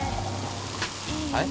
はい？